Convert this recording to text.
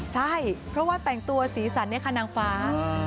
ใช่เพราะว่าแต่งตัวสีสันเนี่ยค่ะนางฟ้า